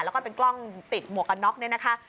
แล้วก็เป็นกล้องติดหมวกกันน็อกเนี่ยนะคะ